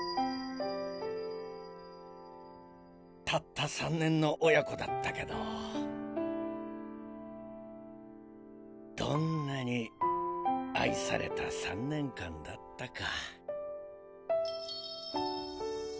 たった３年の親子だったけどどんなに愛された３年間だったか。